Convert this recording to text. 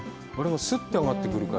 スッて上がってくるから。